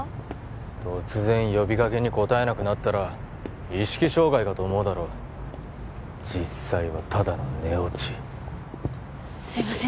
突然呼びかけに答えなくなったら意識障害かと思うだろ実際はただの寝落ちすいません